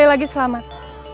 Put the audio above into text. sekali lagi selamat